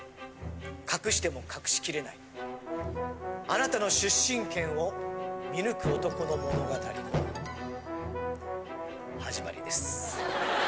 隠しても隠しきれないあなたの出身県を見抜く男の物語の始まりです。